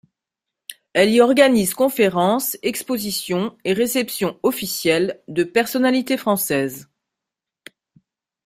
Elle y organise conférences, expositions et réceptions officielles de personnalités françaises.